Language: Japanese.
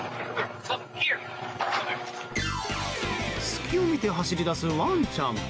隙を見て走り出すワンちゃん。